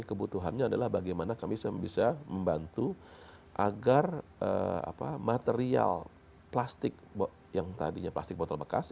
kebutuhannya adalah bagaimana kami bisa membantu agar material plastik yang tadinya plastik botol bekas